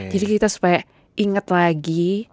jadi kita supaya ingat lagi